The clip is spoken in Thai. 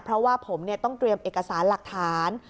เพราะว่าผมต้องเตรียมเอกสารหลักฐาน